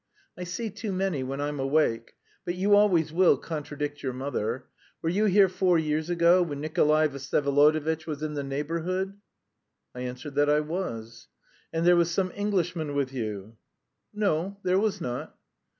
"I see too many when I'm awake. But you always will contradict your mother. Were you here four years ago when Nikolay Vsyevolodovitch was in the neighbourhood?" I answered that I was. "And there was some Englishman with you?" "No, there was not."